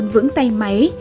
vững tay máy